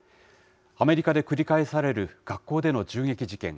アメリカで繰り返される学校での銃撃事件。